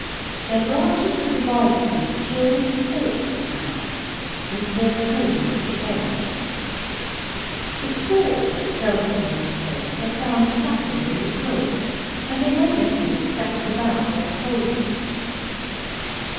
Their branches were divided in a curious forked manner and bore cones at the ends. The spores which fell from these cones are found flattened in the coal, and they may be seen scattered about in the coal ball.